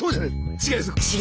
違います。